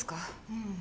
うん。